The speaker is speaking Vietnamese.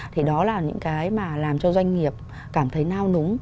thì đó là những cái mà làm cho doanh nghiệp cảm thấy nao núng